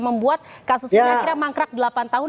membuat kasus kinerja kira mangkrak delapan tahun